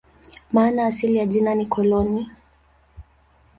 Maana asili ya jina ni "koloni".